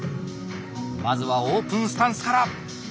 まずはオープンスタンスから！